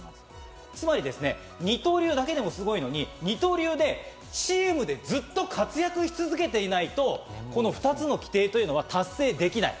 つまり、二刀流だけでもすごいのに、二刀流でチームでずっと活躍し続けていないとこの２つの規定というのは達成できない。